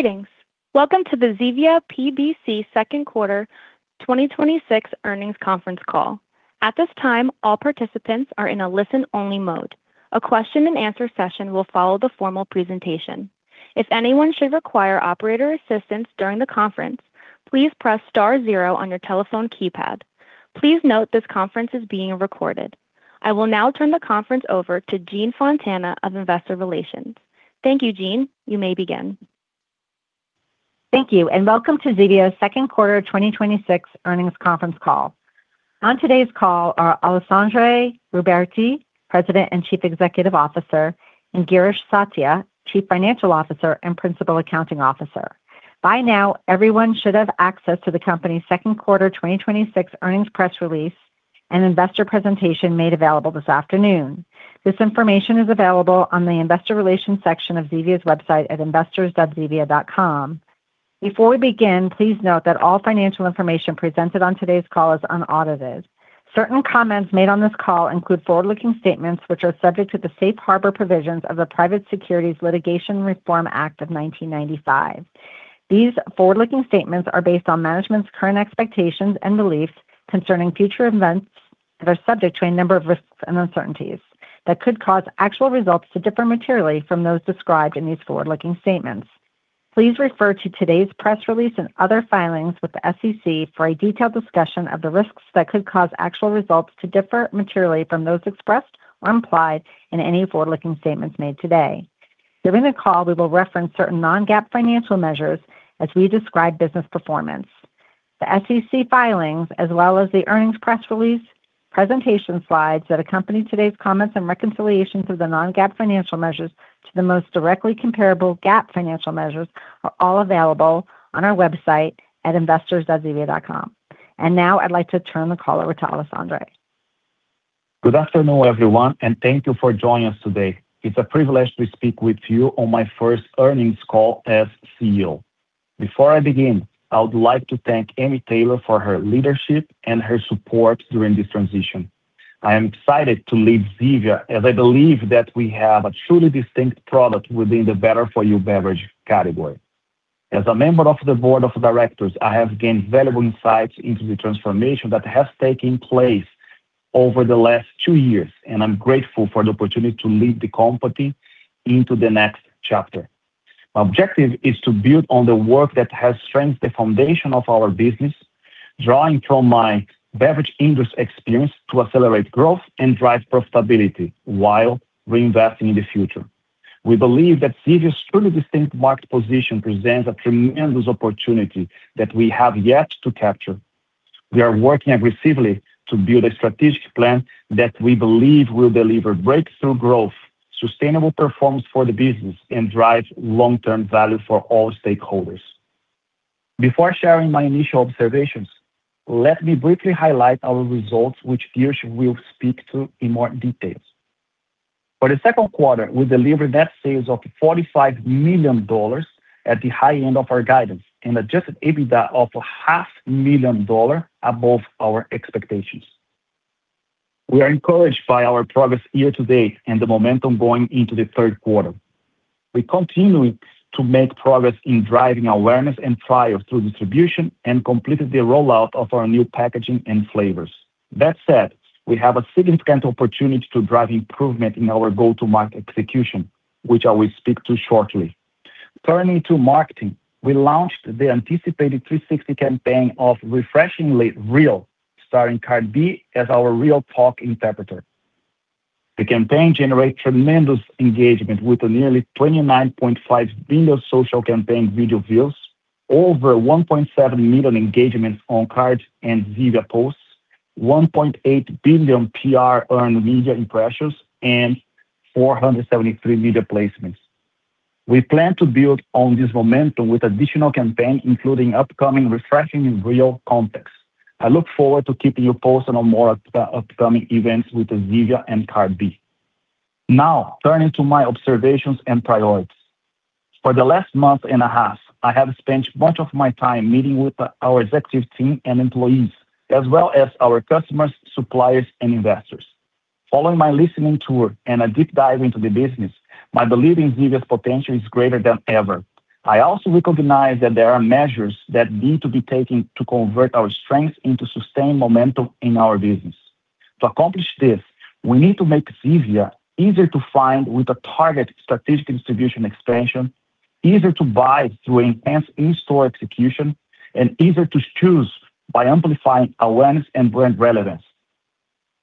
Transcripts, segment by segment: Greetings. Welcome to the Zevia PBC second quarter 2026 earnings conference call. At this time, all participants are in a listen-only mode. A question and answer session will follow the formal presentation. If anyone should require operator assistance during the conference, please press star zero on your telephone keypad. Please note this conference is being recorded. I will now turn the conference over to Jean Fontana of Investor Relations. Thank you, Jean. You may begin. Thank you. Welcome to Zevia's second quarter of 2026 earnings conference call. On today's call are Alexandre Ruberti, President and Chief Executive Officer, and Girish Satya, Chief Financial Officer and Principal Accounting Officer. By now, everyone should have access to the company's second quarter 2026 earnings press release and investor presentation made available this afternoon. This information is available on the investor relations section of Zevia's website at investors.zevia.com. Before we begin, please note that all financial information presented on today's call is unaudited. Certain comments made on this call include forward-looking statements which are subject to the Safe Harbor provisions of the Private Securities Litigation Reform Act of 1995. These forward-looking statements are based on management's current expectations and beliefs concerning future events, are subject to a number of risks and uncertainties that could cause actual results to differ materially from those described in these forward-looking statements. Please refer to today's press release and other filings with the SEC for a detailed discussion of the risks that could cause actual results to differ materially from those expressed or implied in any forward-looking statements made today. During the call, we will reference certain non-GAAP financial measures as we describe business performance. The SEC filings as well as the earnings press release, presentation slides that accompany today's comments and reconciliations of the non-GAAP financial measures to the most directly comparable GAAP financial measures are all available on our website at investors.zevia.com. Now I'd like to turn the call over to Alexandre. Good afternoon, everyone. Thank you for joining us today. It's a privilege to speak with you on my first earnings call as CEO. Before I begin, I would like to thank Amy Taylor for her leadership and her support during this transition. I am excited to lead Zevia as I believe that we have a truly distinct product within the better-for-you beverage category. As a member of the board of directors, I have gained valuable insights into the transformation that has taken place over the last two years, I'm grateful for the opportunity to lead the company into the next chapter. My objective is to build on the work that has strengthened the foundation of our business, drawing from my beverage industry experience to accelerate growth and drive profitability while reinvesting in the future. We believe that Zevia's truly distinct market position presents a tremendous opportunity that we have yet to capture. We are working aggressively to build a strategic plan that we believe will deliver breakthrough growth, sustainable performance for the business, and drive long-term value for all stakeholders. Before sharing my initial observations, let me briefly highlight our results, which Girish will speak to in more details. For the second quarter, we delivered net sales of $45 million at the high end of our guidance and adjusted EBITDA of a half million dollar above our expectations. We are encouraged by our progress year-to-date and the momentum going into the third quarter. We're continuing to make progress in driving awareness and trial through distribution and completed the rollout of our new packaging and flavors. That said, we have a significant opportunity to drive improvement in our go-to-market execution, which I will speak to shortly. Turning to marketing, we launched the anticipated 360 campaign of Refreshingly Real, starring Cardi B as our real talk interpreter. The campaign generated tremendous engagement with nearly 29.5 billion social campaign video views. Over 1.7 million engagements on Cardi and Zevia posts, 1.8 billion PR earned media impressions, and 473 media placements. We plan to build on this momentum with additional campaigns, including upcoming Refreshingly Real contests. I look forward to keeping you posted on more upcoming events with Zevia and Cardi B. Now, turning to my observations and priorities. For the last month and a half, I have spent much of my time meeting with our executive team and employees, as well as our customers, suppliers, and investors. Following my listening tour and a deep dive into the business, my belief in Zevia's potential is greater than ever. I also recognize that there are measures that need to be taken to convert our strengths into sustained momentum in our business. To accomplish this, we need to make Zevia easier to find with a targeted strategic distribution expansion, easier to buy through enhanced in-store execution, and easier to choose by amplifying awareness and brand relevance,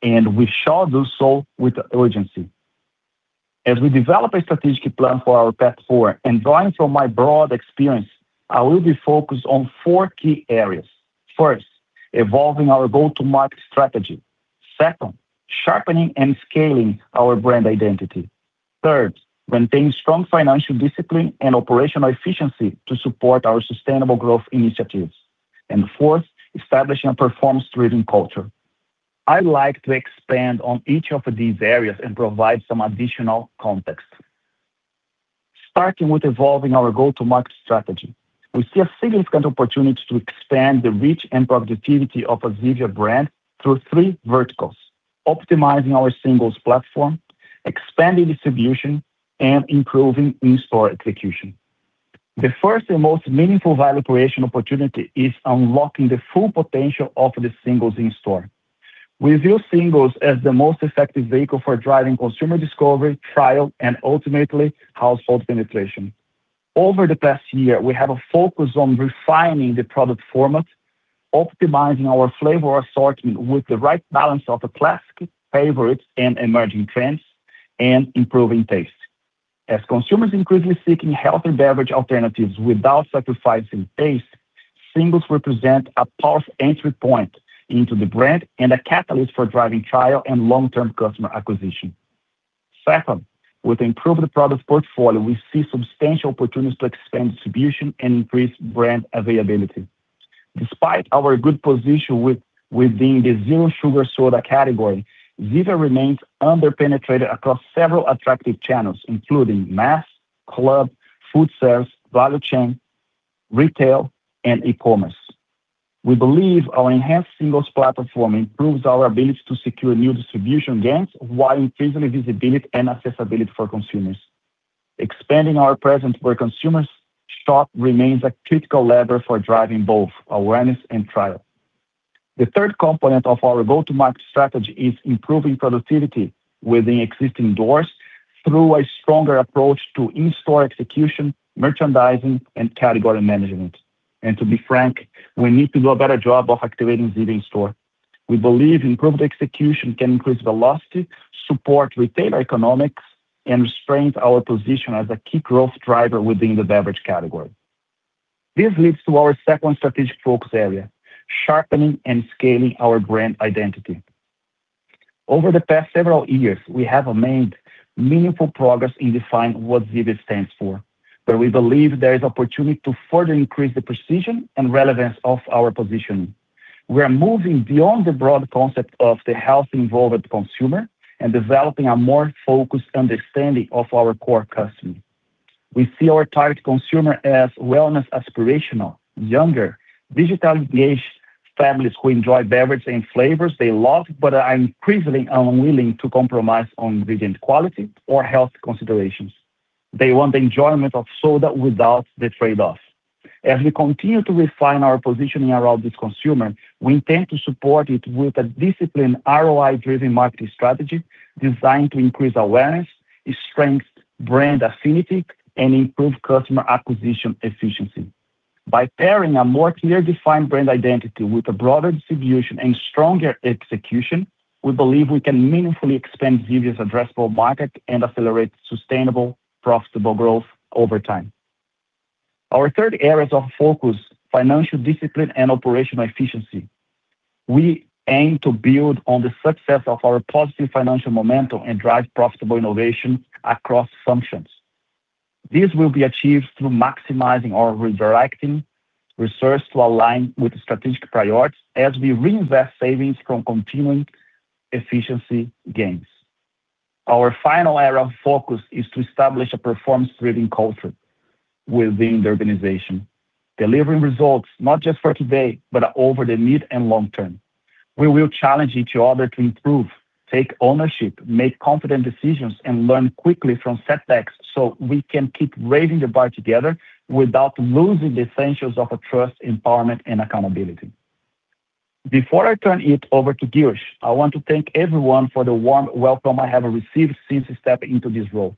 and we shall do so with urgency. As we develop a strategic plan for our path forward and drawing from my broad experience, I will be focused on four key areas. First, evolving our go-to-market strategy. Second, sharpening and scaling our brand identity. Third, maintain strong financial discipline and operational efficiency to support our sustainable growth initiatives. And fourth, establishing a performance-driven culture. I'd like to expand on each of these areas and provide some additional context. Starting with evolving our go-to-market strategy. We see a significant opportunity to expand the reach and productivity of the Zevia brand through three verticals: optimizing our singles platform, expanding distribution, and improving in-store execution. The first and most meaningful value creation opportunity is unlocking the full potential of the singles in-store. We view singles as the most effective vehicle for driving consumer discovery, trial, and ultimately household penetration. Over the past year, we have a focus on refining the product format, optimizing our flavor assorting with the right balance of classic favorites and emerging trends, and improving taste. As consumers increasingly seek healthier beverage alternatives without sacrificing taste, singles represent a powerful entry point into the brand and a catalyst for driving trial and long-term customer acquisition. Second, with improved product portfolio, we see substantial opportunities to expand distribution and increase brand availability. Despite our good position within the zero-sugar soda category, Zevia remains under-penetrated across several attractive channels, including mass, club, food service, value chain, retail, and e-commerce. We believe our enhanced singles platform improves our ability to secure new distribution gains while increasing visibility and accessibility for consumers. Expanding our presence where consumers shop remains a critical lever for driving both awareness and trial. The third component of our go-to-market strategy is improving productivity within existing doors through a stronger approach to in-store execution, merchandising, and category management. To be frank, we need to do a better job of activating Zevia in store. We believe improved execution can increase velocity, support retailer economics, and strengthen our position as a key growth driver within the beverage category. This leads to our second strategic focus area, sharpening and scaling our brand identity. Over the past several years, we have made meaningful progress in defining what Zevia stands for, but we believe there is opportunity to further increase the precision and relevance of our positioning. We are moving beyond the broad concept of the health-involved consumer and developing a more focused understanding of our core customer. We see our target consumer as wellness aspirational, younger, digitally engaged families who enjoy beverages and flavors they love, but are increasingly unwilling to compromise on ingredient quality or health considerations. They want the enjoyment of soda without the trade-offs. As we continue to refine our positioning around this consumer, we intend to support it with a disciplined ROI-driven marketing strategy designed to increase awareness, strengthen brand affinity, and improve customer acquisition efficiency. By pairing a more clearly defined brand identity with a broader distribution and stronger execution, we believe we can meaningfully expand Zevia's addressable market and accelerate sustainable, profitable growth over time. Our third area of focus, financial discipline and operational efficiency. We aim to build on the success of our positive financial momentum and drive profitable innovation across functions. This will be achieved through maximizing or redirecting resources to align with strategic priorities as we reinvest savings from continuing efficiency gains. Our final area of focus is to establish a performance-driven culture within the organization. Delivering results not just for today, but over the mid and long term. We will challenge each other to improve, take ownership, make confident decisions, and learn quickly from setbacks so we can keep raising the bar together without losing the essentials of trust, empowerment, and accountability. Before I turn it over to Girish, I want to thank everyone for the warm welcome I have received since stepping into this role.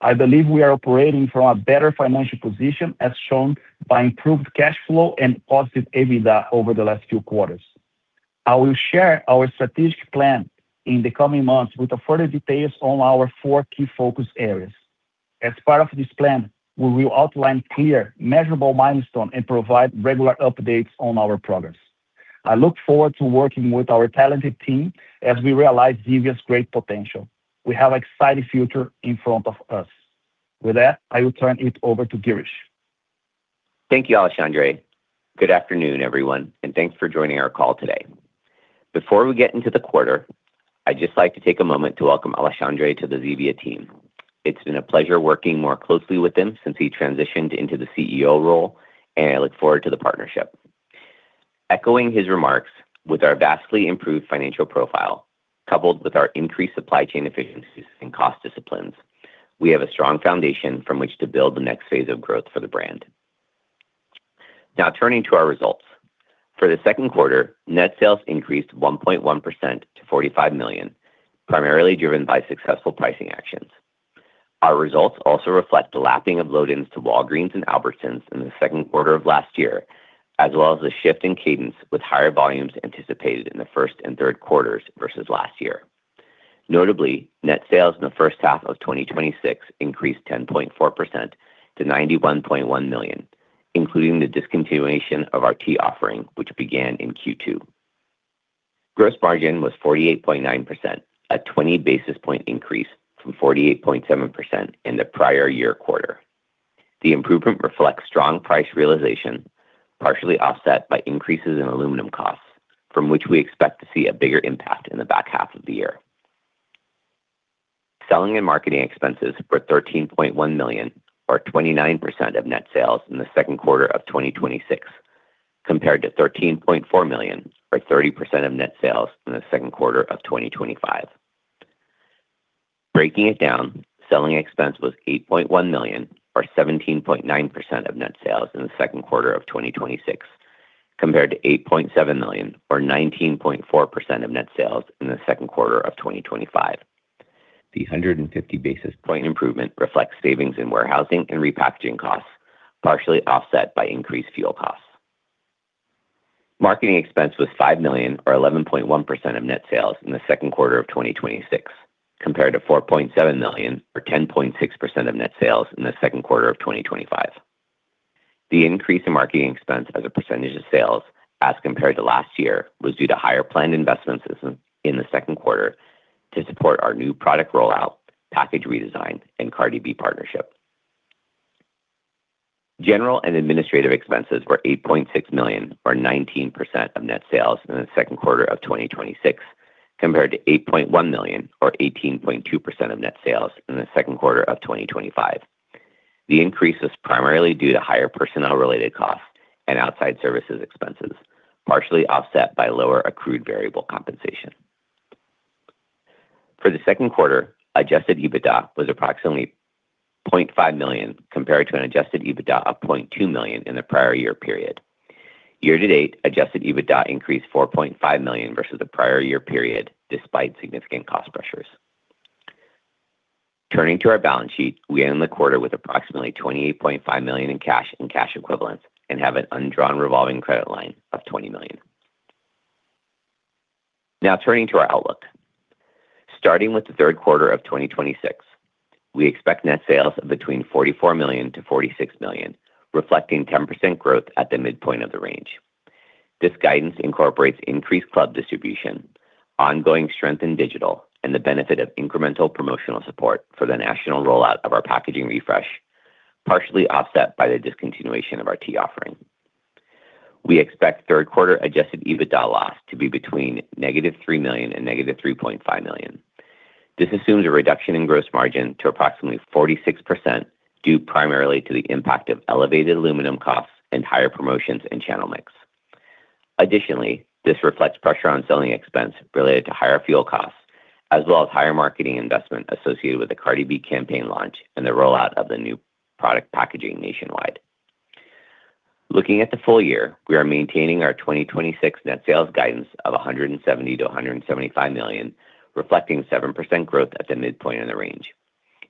I believe we are operating from a better financial position, as shown by improved cash flow and positive EBITDA over the last few quarters. I will share our strategic plan in the coming months with further details on our four key focus areas. As part of this plan, we will outline clear, measurable milestones and provide regular updates on our progress. I look forward to working with our talented team as we realize Zevia's great potential. We have an exciting future in front of us. With that, I will turn it over to Girish. Thank you, Alexandre. Good afternoon, everyone, and thanks for joining our call today. Before we get into the quarter, I'd just like to take a moment to welcome Alexandre to the Zevia team. It's been a pleasure working more closely with him since he transitioned into the CEO role, and I look forward to the partnership. Echoing his remarks with our vastly improved financial profile, coupled with our increased supply chain efficiencies and cost disciplines, we have a strong foundation from which to build the next phase of growth for the brand. Now turning to our results. For the second quarter, net sales increased 1.1% to $45 million, primarily driven by successful pricing actions. Our results also reflect the lapping of load-ins to Walgreens and Albertsons in the second quarter of last year, as well as the shift in cadence, with higher volumes anticipated in the first and third quarters versus last year. Notably, net sales in the first half of 2026 increased 10.4% to $91.1 million, including the discontinuation of our tea offering, which began in Q2. Gross margin was 48.9%, a 20-basis point increase from 48.7% in the prior year quarter. The improvement reflects strong price realization, partially offset by increases in aluminum costs, from which we expect to see a bigger impact in the back half of the year. Selling and marketing expenses were $13.1 million, or 29% of net sales in the second quarter of 2026, compared to $13.4 million, or 30% of net sales in the second quarter of 2025. Breaking it down, selling expense was $8.1 million, or 17.9% of net sales in the second quarter of 2026, compared to $8.7 million, or 19.4% of net sales in the second quarter of 2025. The 150 basis point improvement reflects savings in warehousing and repackaging costs, partially offset by increased fuel costs. Marketing expense was $5 million, or 11.1% of net sales in the second quarter of 2026, compared to $4.7 million, or 10.6% of net sales in the second quarter of 2025. The increase in marketing expense as a percentage of sales as compared to last year was due to higher planned investments in the second quarter to support our new product rollout, package redesign, and Cardi B partnership. General and administrative expenses were $8.6 million, or 19% of net sales in the second quarter of 2026, compared to $8.1 million, or 18.2% of net sales in the second quarter of 2025. The increase was primarily due to higher personnel-related costs and outside services expenses, partially offset by lower accrued variable compensation. For the second quarter, adjusted EBITDA was approximately $0.5 million, compared to an adjusted EBITDA of $0.2 million in the prior year period. Year to date, adjusted EBITDA increased $4.5 million versus the prior year period, despite significant cost pressures. Turning to our balance sheet, we end the quarter with approximately $28.5 million in cash and cash equivalents and have an undrawn revolving credit line of $20 million. Now turning to our outlook. Starting with the third quarter of 2026, we expect net sales of between $44 million-$46 million, reflecting 10% growth at the midpoint of the range. This guidance incorporates increased club distribution, ongoing strength in digital, and the benefit of incremental promotional support for the national rollout of our packaging refresh, partially offset by the discontinuation of our tea offering. We expect third quarter adjusted EBITDA loss to be between negative $3 million and negative $3.5 million. This assumes a reduction in gross margin to approximately 46%, due primarily to the impact of elevated aluminum costs and higher promotions and channel mix. Additionally, this reflects pressure on selling expense related to higher fuel costs, as well as higher marketing investment associated with the Cardi B campaign launch and the rollout of the new product packaging nationwide. Looking at the full year, we are maintaining our 2026 net sales guidance of $170 million-$175 million, reflecting 7% growth at the midpoint of the range.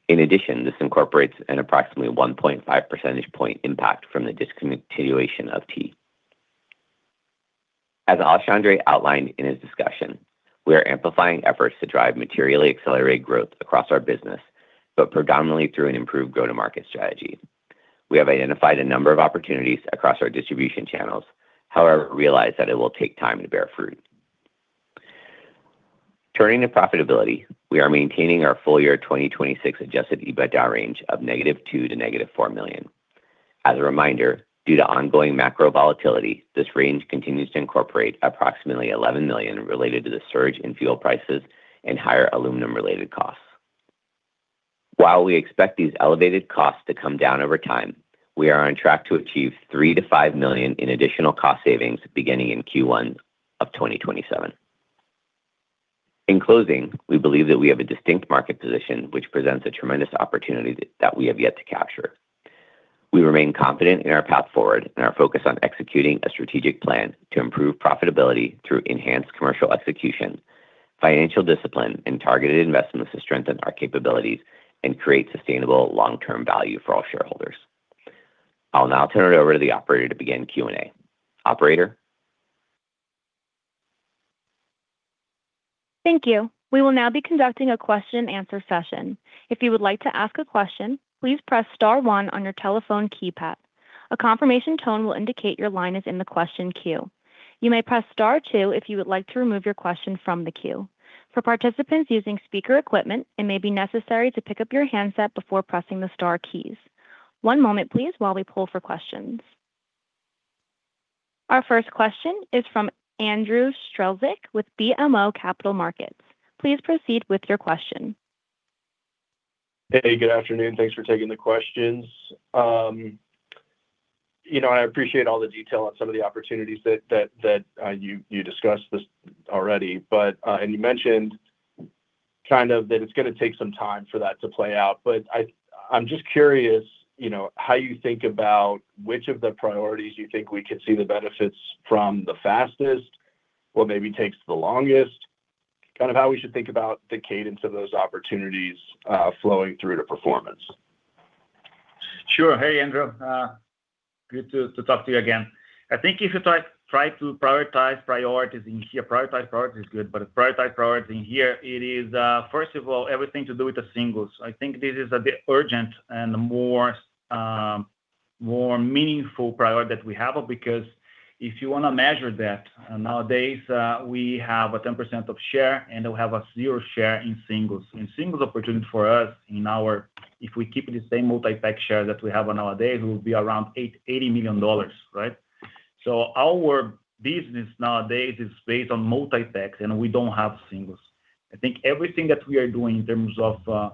In addition, this incorporates an approximately 1.5 percentage point impact from the discontinuation of tea. As Alexandre outlined in his discussion, we are amplifying efforts to drive materially accelerated growth across our business, but predominantly through an improved go-to-market strategy. We have identified a number of opportunities across our distribution channels, however, realize that it will take time to bear fruit. Turning to profitability, we are maintaining our full-year 2026 adjusted EBITDA range of negative $2 million to negative $4 million. As a reminder, due to ongoing macro volatility, this range continues to incorporate approximately $11 million related to the surge in fuel prices and higher aluminum-related costs. While we expect these elevated costs to come down over time, we are on track to achieve $3 million-$5 million in additional cost savings beginning in Q1 of 2027. In closing, we believe that we have a distinct market position, which presents a tremendous opportunity that we have yet to capture. We remain confident in our path forward and our focus on executing a strategic plan to improve profitability through enhanced commercial execution, financial discipline, and targeted investments to strengthen our capabilities and create sustainable long-term value for all shareholders. I'll now turn it over to the operator to begin Q&A. Operator? Thank you. We will now be conducting a question and answer session. If you would like to ask a question, please press star one on your telephone keypad. A confirmation tone will indicate your line is in the question queue. You may press star two if you would like to remove your question from the queue. For participants using speaker equipment, it may be necessary to pick up your handset before pressing the star keys. One moment, please, while we pull for questions. Our first question is from Andrew Strelzik with BMO Capital Markets. Please proceed with your question. Hey, good afternoon. Thanks for taking the questions. I appreciate all the detail on some of the opportunities that you discussed already. You mentioned that it's going to take some time for that to play out, but I'm just curious how you think about which of the priorities you think we could see the benefits from the fastest or maybe takes the longest, how we should think about the cadence of those opportunities flowing through to performance. Sure. Hey, Andrew. Good to talk to you again. I think if you try to prioritize priorities in here, prioritize priorities is good, but prioritize priorities in here, it is, first of all, everything to do with the singles. I think this is a bit urgent and more meaningful priority that we have, because if you want to measure that, nowadays, we have a 10% of share, and we have a zero share in singles. In singles opportunity for us in our, if we keep the same multi-pack share that we have on our day, it will be around $880 million, right? Our business nowadays is based on multi-packs and we don't have singles. I think everything that we are doing in terms of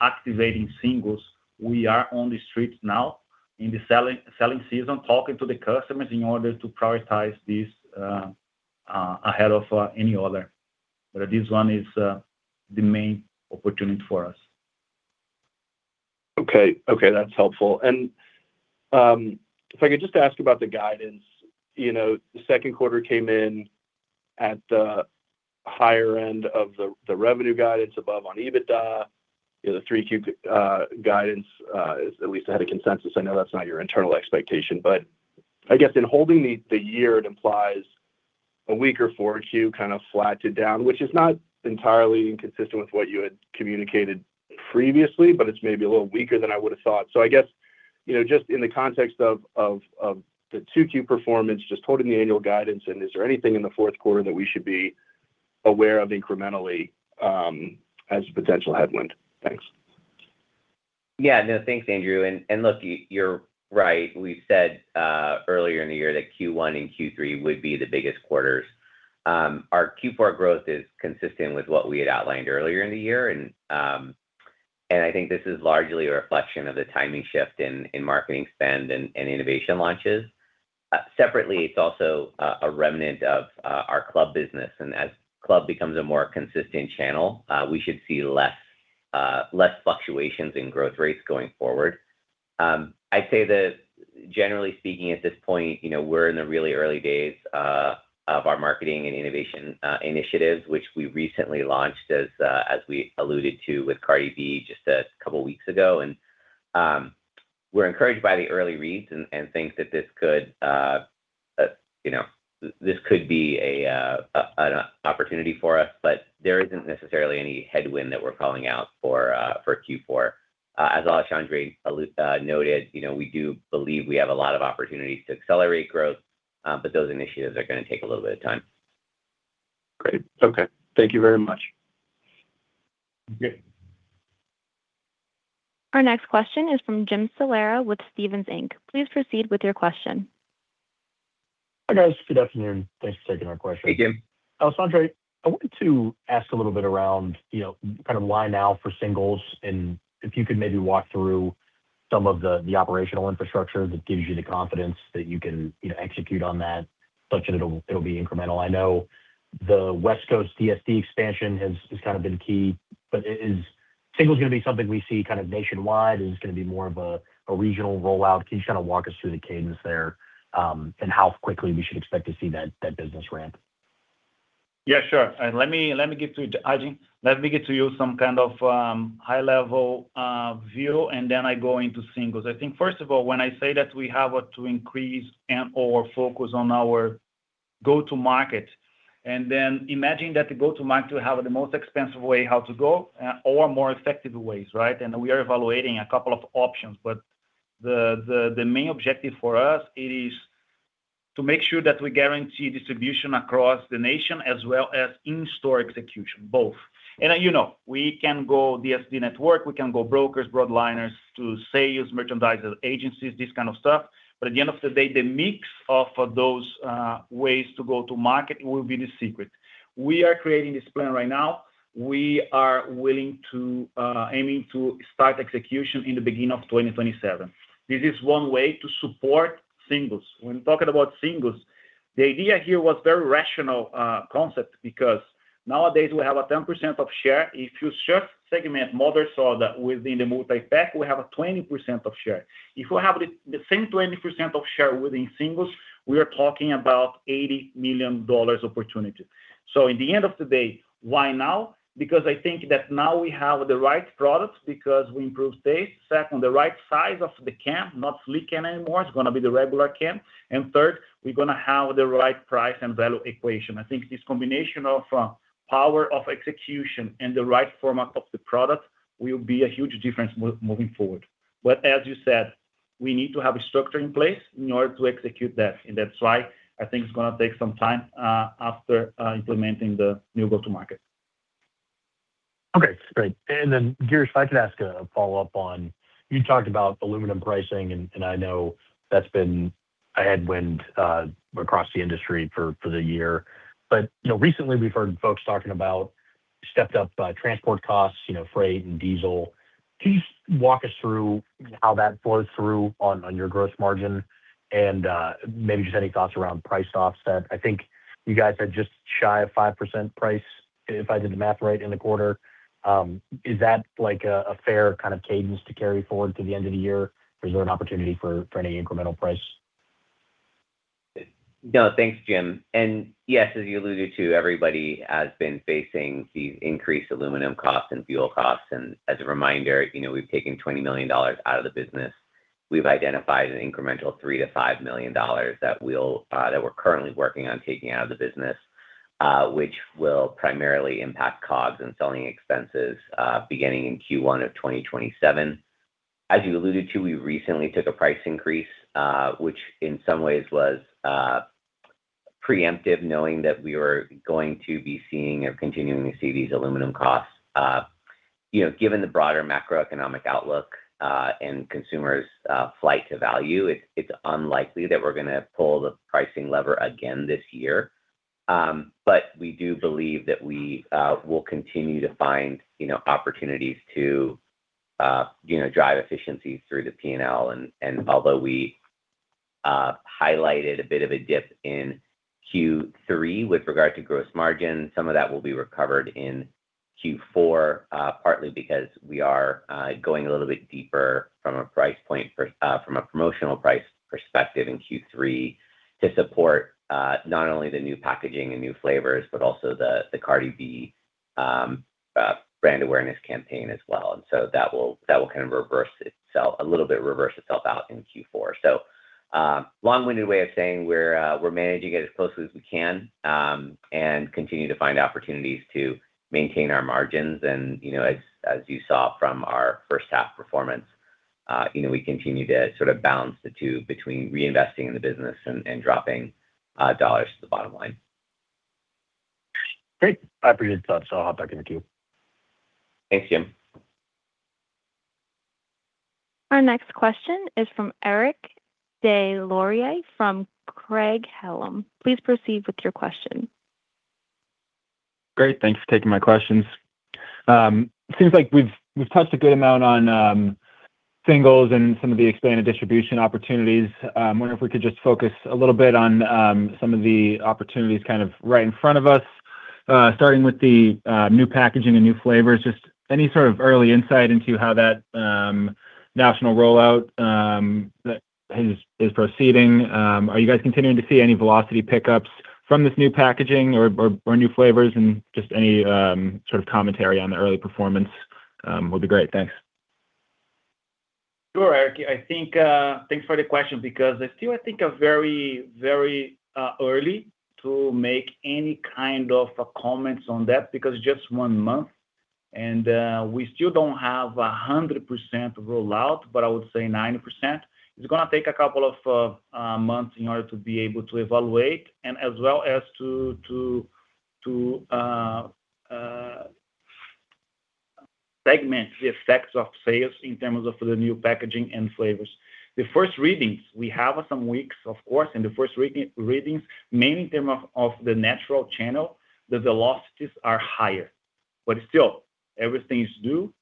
activating singles, we are on the streets now in the selling season, talking to the customers in order to prioritize this ahead of any other. This one is the main opportunity for us. Okay. That's helpful. If I could just ask about the guidance. The second quarter came in at the higher end of the revenue guidance above on EBITDA. The 3Q guidance is at least ahead of consensus. I know that's not your internal expectation, but I guess in holding the year, it implies a weaker 4Q, kind of flat to down, which is not entirely inconsistent with what you had communicated previously, but it's maybe a little weaker than I would've thought. I guess, just in the context of the 2Q performance, just holding the annual guidance and is there anything in the fourth quarter that we should be aware of incrementally as a potential headwind? Thanks. Yeah. No, thanks, Andrew. Look, you're right. We said earlier in the year that Q1 and Q3 would be the biggest quarters. Our Q4 growth is consistent with what we had outlined earlier in the year. I think this is largely a reflection of the timing shift in marketing spend and innovation launches. Separately, it's also a remnant of our club business. As club becomes a more consistent channel, we should see less fluctuations in growth rates going forward. I'd say that generally speaking, at this point, we're in the really early days of our marketing and innovation initiatives, which we recently launched as we alluded to with Cardi B just a couple of weeks ago. We're encouraged by the early reads and think that this could be an opportunity for us, but there isn't necessarily any headwind that we're calling out for Q4. As Alexandre noted, we do believe we have a lot of opportunities to accelerate growth, but those initiatives are going to take a little bit of time. Great. Okay. Thank you very much. Okay. Our next question is from Jim Salera with Stephens Inc.. Please proceed with your question. Hi, guys. Good afternoon. Thanks for taking our question. Hey, Jim. Alexandre, I wanted to ask a little bit around kind of why now for singles and if you could maybe walk through some of the operational infrastructure that gives you the confidence that you can execute on that, such that it'll be incremental. I know the West Coast DSD expansion has kind of been key, but is singles going to be something we see kind of nationwide, is this going to be more of a regional rollout? Can you kind of walk us through the cadence there, and how quickly we should expect to see that business ramp? Yeah, sure. Let me get to you some kind of high level view. Imagine that the go-to market will have the most expensive way how to go or more effective ways, right? We are evaluating a couple of options, but the main objective for us, it is to make sure that we guarantee distribution across the nation as well as in-store execution, both. We can go DSD network, we can go brokers, broadliners to sales, merchandisers, agencies, this kind of stuff. At the end of the day, the mix of those ways to go to market will be the secret. We are creating this plan right now. We are aiming to start execution in the beginning of 2027. This is one way to support singles. When talking about singles, the idea here was very rational concept because nowadays we have a 10% of share. If you just segment modern soda that within the multi-pack, we have a 20% of share. If we have the same 20% of share within singles, we are talking about $80 million opportunity. At the end of the day, why now? Because I think that now we have the right products because we improved taste. Second, the right size of the can, not sleek can anymore, it's going to be the regular can. Third, we're going to have the right price and value equation. I think this combination of power of execution and the right format of the product will be a huge difference moving forward. As you said, we need to have a structure in place in order to execute that. That's why I think it's going to take some time after implementing the new go-to market. Okay, great. Girish, if I could ask a follow-up on, you talked about aluminum pricing and I know that's been a headwind across the industry for the year. Recently we've heard folks talking about stepped up transport costs, freight and diesel. Can you just walk us through how that flows through on your gross margin and maybe just any thoughts around price offset? I think you guys are just shy of 5% price, if I did the math right, in the quarter. Is that a fair kind of cadence to carry forward to the end of the year? Is there an opportunity for any incremental price? No, thanks, Jim. Yes, as you alluded to, everybody has been facing these increased aluminum costs and fuel costs. As a reminder, we've taken $20 million out of the business. We've identified an incremental $3 million-$5 million that we're currently working on taking out of the business, which will primarily impact COGS and selling expenses, beginning in Q1 of 2027. As you alluded to, we recently took a price increase, which in some ways was preemptive, knowing that we were going to be seeing or continuing to see these aluminum costs. Given the broader macroeconomic outlook, and consumers' flight to value, it's unlikely that we're going to pull the pricing lever again this year. We do believe that we will continue to find opportunities to drive efficiencies through the P&L. Although we highlighted a bit of a dip in Q3 with regard to gross margin, some of that will be recovered in Q4, partly because we are going a little bit deeper from a promotional price perspective in Q3 to support not only the new packaging and new flavors, but also the Cardi B brand awareness campaign as well. That will kind of reverse itself out in Q4 a little bit. Long-winded way of saying we're managing it as closely as we can, and continue to find opportunities to maintain our margins. As you saw from our first half performance, we continue to sort of balance the two between reinvesting in the business and dropping dollars to the bottom line. Great. I appreciate the thoughts. I'll hop back in the queue. Thanks, Jim. Our next question is from Eric Des Lauriers from Craig-Hallum. Please proceed with your question. Great. Thanks for taking my questions. It seems like we've touched a good amount on singles and some of the expanded distribution opportunities. I wonder if we could just focus a little bit on some of the opportunities kind of right in front of us, starting with the new packaging and new flavors. Just any sort of early insight into how that national rollout is proceeding. Are you guys continuing to see any velocity pickups from this new packaging or new flavors? Just any sort of commentary on the early performance would be great. Thanks. Sure, Eric. Thanks for the question, because I still think it's very early to make any kind of comments on that, because just one month. We still don't have 100% rollout, but I would say 90%. It's going to take a couple of months in order to be able to evaluate and as well as to segment the effects of sales in terms of the new packaging and flavors. The first readings, we have some weeks, of course. The first readings, mainly in terms of the natural channel, the velocities are higher. Still, everything is due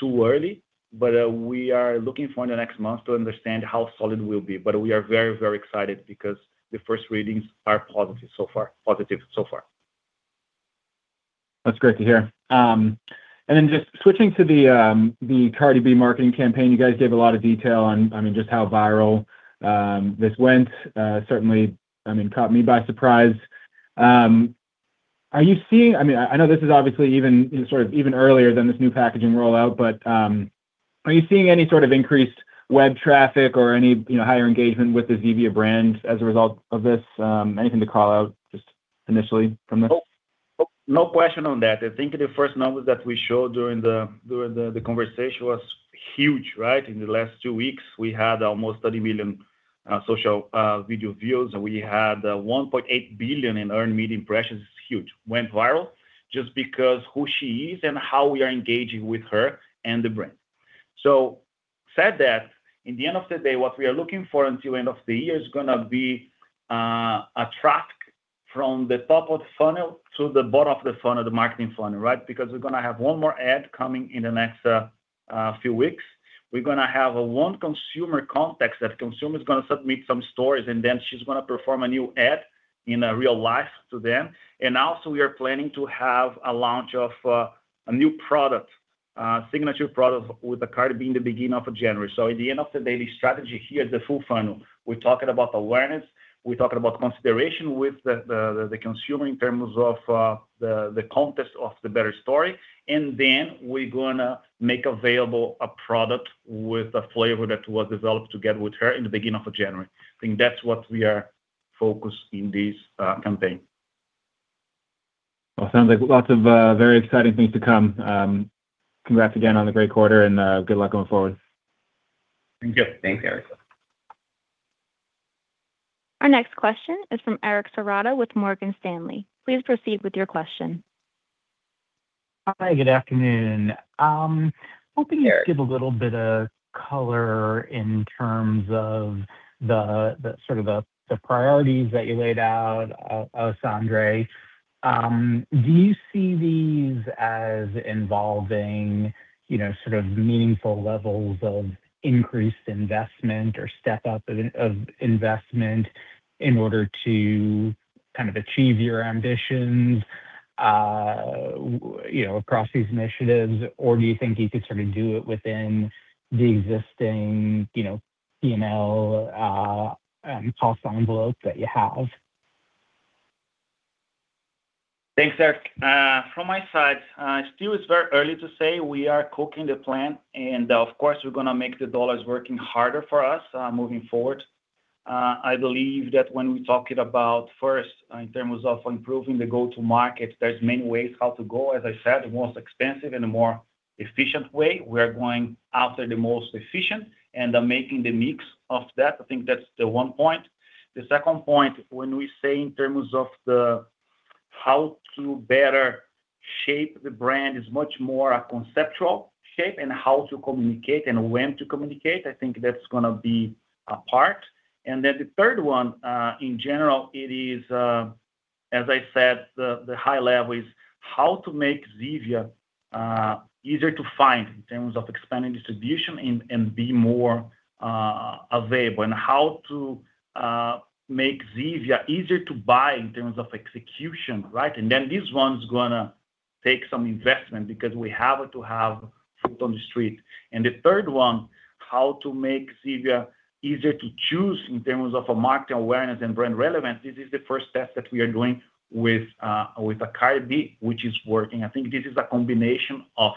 too early. We are looking for in the next month to understand how solid we'll be. We are very excited because the first readings are positive so far. That's great to hear. Just switching to the Cardi B marketing campaign. You guys gave a lot of detail on just how viral this went. Certainly, caught me by surprise. I know this is obviously even earlier than this new packaging rollout. Are you seeing any sort of increased web traffic or any higher engagement with the Zevia brand as a result of this? Anything to call out just initially from this? No question on that. I think the first numbers that we showed during the conversation was huge, right? In the last two weeks, we had almost 30 million social video views. We had 1.8 billion in earned media impressions. It's huge. Went viral just because who she is and how we are engaging with her and the brand. Said that, in the end of the day, what we are looking for until end of the year is gonna be a track from the top of the funnel to the bottom of the funnel, the marketing funnel, right? We're gonna have one more ad coming in the next few weeks. We're gonna have one consumer context. That consumer is gonna submit some stories. Then she's gonna perform a new ad in real life to them. We are planning to have a launch of a new product, a signature product with Cardi B in the beginning of January. In the end of the daily strategy here, the full funnel. We're talking about awareness, we're talking about consideration with the consumer in terms of the contest of the better story, and then we're gonna make available a product with a flavor that was developed together with her in the beginning of January. I think that's what we are focused in this campaign. Well, sounds like lots of very exciting things to come. Congrats again on the great quarter and good luck going forward. Thank you. Thanks, Eric. Our next question is from Eric Serotta with Morgan Stanley. Please proceed with your question. Hi, good afternoon. Eric. Hoping you could give a little bit of color in terms of the sort of the priorities that you laid out, Sandro. Do you see these as involving sort of meaningful levels of increased investment or step up of investment in order to kind of achieve your ambitions across these initiatives? Do you think you could sort of do it within the existing P&L cost envelope that you have? Thanks, Eric. From my side, still it's very early to say. Of course, we're gonna make the dollars working harder for us moving forward. I believe that when we're talking about first, in terms of improving the go-to market, there's many ways how to go. As I said, the most expensive and the more efficient way. We are going after the most efficient and are making the mix of that. I think that's the one point. The second point, when we say in terms of the how to better shape the brand is much more a conceptual shape and how to communicate and when to communicate. I think that's going to be a part. The third one, in general, it is, as I said, the high level is how to make Zevia easier to find in terms of expanding distribution and be more available and how to make Zevia easier to buy in terms of execution, right? This one's going to take some investment because we have to have foot on the street. The third one, how to make Zevia easier to choose in terms of market awareness and brand relevance. This is the first test that we are doing with Cardi B, which is working. This is a combination of,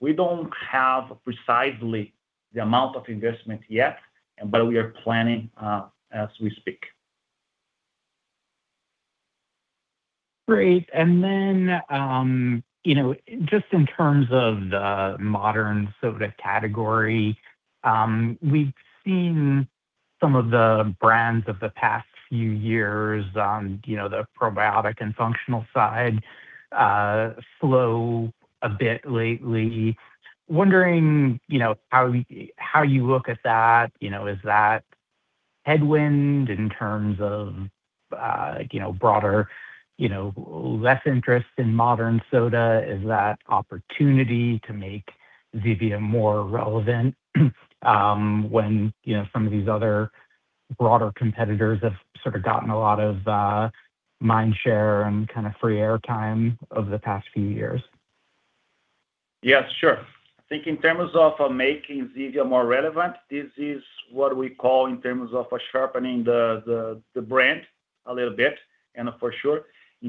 we don't have precisely the amount of investment yet, but we are planning as we speak. Great. Just in terms of the modern soda category, we've seen some of the brands of the past few years on the probiotic and functional side slow a bit lately. I'm wondering, how you look at that. Is that headwind in terms of broader, less interest in modern soda? Is that opportunity to make Zevia more relevant when some of these other broader competitors have sort of gotten a lot of mind share and kind of free air time over the past few years? Yes, sure. In terms of making Zevia more relevant, this is what we call in terms of sharpening the brand a little bit, and for sure.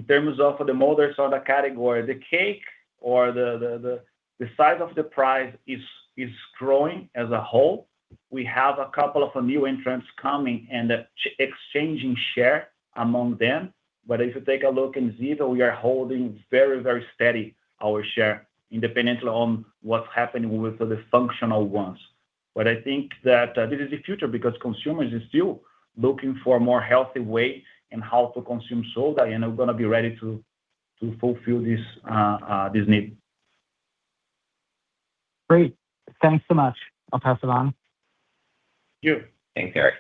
The modern soda category, the cake or the size of the prize is growing as a whole. We have a couple of new entrants coming and exchanging share among them. If you take a look in Zevia, we are holding very steady our share independently on what's happening with the functional ones. I think that this is the future because consumers are still looking for a more healthy way in how to consume soda and are going to be ready to fulfill this need. Great. Thanks so much. I'll pass it on. Thank you. Thanks, Eric.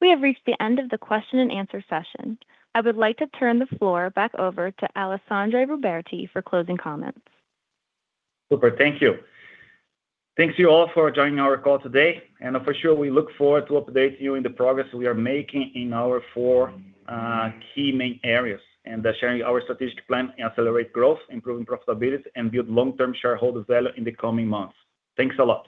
We have reached the end of the question and answer session. I would like to turn the floor back over to Alexandre Ruberti for closing comments. Super. Thank you. Thanks, you all for joining our call today, and for sure, we look forward to update you in the progress we are making in our four key main areas, and sharing our strategic plan and accelerate growth, improving profitability, and build long-term shareholder value in the coming months. Thanks a lot